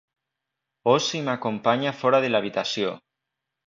Ós i m'acompanya fora de l'habitació.